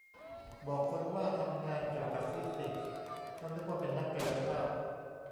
บอกคนว่าทำงานเกี่ยวกับฟิสิกส์ เค้านึกว่าเป็นนักกายภาพ